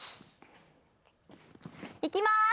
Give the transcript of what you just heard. いきます。